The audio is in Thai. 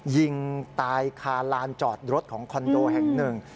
ยิงตายคาลานจอดรถของคอนโดแห่งหนึ่ง